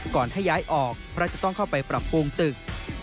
ก่อนถ้าย้ายออกเพราะจะต้องเข้าไปปรับปรุงตึก